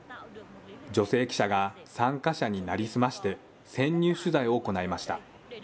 女性記者が参加者に成り済まして、潜入取材を行いました。